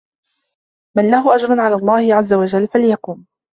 مَنْ لَهُ أَجْرٌ عَلَى اللَّهِ عَزَّ وَجَلَّ فَلْيَقُمْ